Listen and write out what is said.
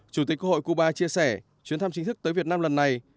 chủ tịch quốc hội cuba chia sẻ chuyến thăm chính thức tới việt nam lần này